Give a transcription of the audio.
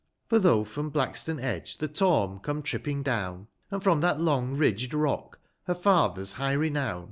For though from BhcJcsfonedge the Taumc come tripping down, And from that long ridg'd rock, her father's high renown.